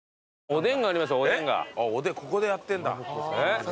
おでんここでやってんだ。